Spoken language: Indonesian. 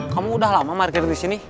kamu udah lama parkir di sini